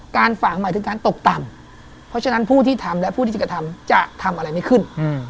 ฝากหมายถึงการตกต่ำเพราะฉะนั้นผู้ที่ทำและผู้ที่จะกระทำจะทำอะไรไม่ขึ้น